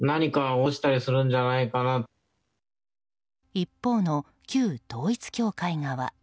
一方の旧統一教会側。